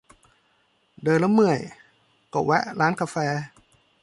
เดินแล้วเมื่อย ก็แวะร้านกาแฟ